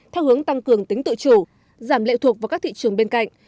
theo hướng tăng cường tính tự chủ giảm lệ thuộc vào các thị trường bên cạnh